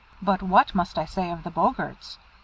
"But what must I say of the Boggarts?